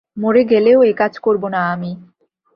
মরে গেলেও একাজ করব না আমি।